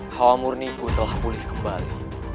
hawa murniku telah pulih kembali